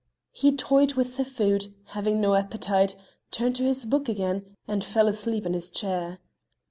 He toyed with the food, having no appetite, turned to his book again, and fell asleep in his chair.